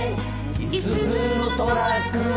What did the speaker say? いすゞのトラック